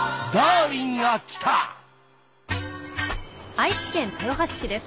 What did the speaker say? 愛知県豊橋市です。